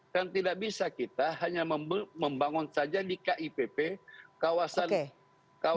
kan tidak bisa kita hanya membangun saja di kipp kawasan internal pusat pemerintahan